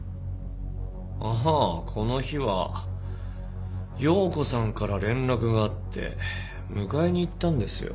ああこの日は葉子さんから連絡があって迎えに行ったんですよ。